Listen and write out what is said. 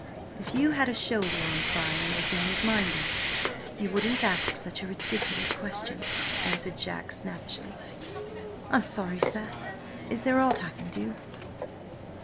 "If you had a shoulder on fire and aching as mine does, you wouldn't ask such a ridiculous question," answered Jack snappishly. "I'm sorry, sir. Is there aught I can do?"